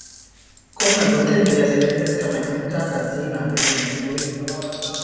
ކޮންމެ ގޮތެއް ވިޔަސް އެއްވެސް ކަމެއް އަންގާކަށް ޒީނާ ބޭނުމެއް ނުވި